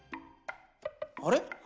あれ？